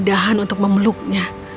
dahan untuk memeluknya